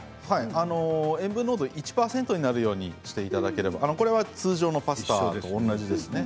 塩分濃度１％になるようにしていただければこれは通常のパスタと同じです。